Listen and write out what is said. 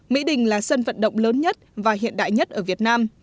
mỹ đình là sân vận động lớn nhất và hiện đại nhất ở việt nam